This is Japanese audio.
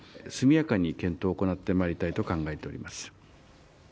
速やかに検討を行ってまいりたいと考えております。